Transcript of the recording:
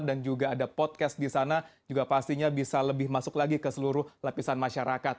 dan juga ada podcast di sana juga pastinya bisa lebih masuk lagi ke seluruh lapisan masyarakat